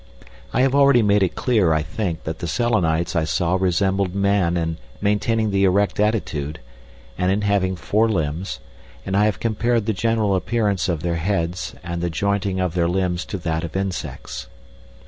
I have already made it clear, I think, that the Selenites I saw resembled man in maintaining the erect attitude, and in having four limbs, and I have compared the general appearance of their heads and the jointing of their limbs to that of insects.